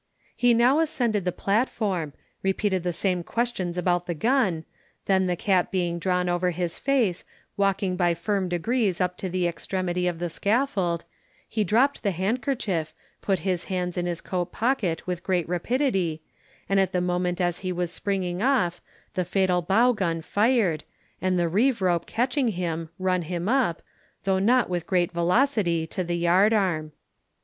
He now ascended the platform, repeated the same questions about the gun, then the cap being drawn over his face, walking by firm degrees up to the extremity of the scaffold, he dropped the handkerchief, put his hands in his coat pocket with great rapidity, and at the moment as he was springing off, the fatal bow gun fired, and the reeve rope catching him, run him up, though not with great velocity, to the yard arm.